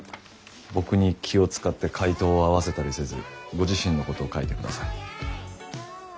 僕に気を遣って回答を合わせたりせずご自身のことを書いてください。